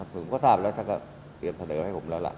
ผมก็ทราบแล้วท่านก็เตรียมเสนอให้ผมแล้วล่ะ